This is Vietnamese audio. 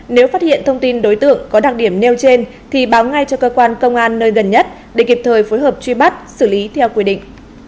nếu phát hiện thông tin đối tượng có đặc điểm nêu trên thì báo ngay cho cơ quan công an nơi gần nhất để kịp thời phối hợp truy bắt xử lý theo quy định